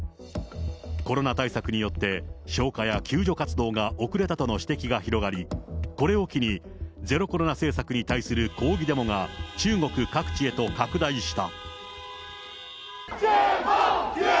コロナ対策によって、消火や救助活動が遅れたとの指摘が広がり、これを機に、ゼロコロナ政策に対する抗議デモが中国各地へと拡大した。